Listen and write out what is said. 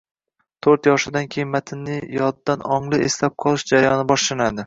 to‘rt yoshidan keyin matnni yoddan ongli eslab qolish jarayoni boshlanadi.